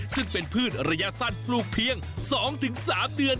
ซึ่งเป็นพืชระยะสั้นปลูกเพียง๒๓เดือน